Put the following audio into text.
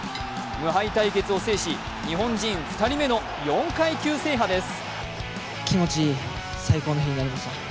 無敗対決を制し、日本人２人目の４階級制覇です。